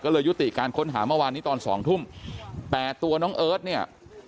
ก็เลยยุติการค้นหาเมื่อวานนี้ตอนสองทุ่มแต่ตัวน้องเอิร์ทเนี่ย